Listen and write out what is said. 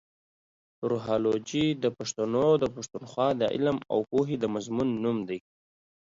روهالوجي د پښتنو اٶ د پښتونخوا د علم اٶ پوهې د مضمون نوم دې.